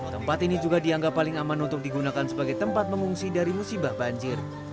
tempat ini juga dianggap paling aman untuk digunakan sebagai tempat mengungsi dari musibah banjir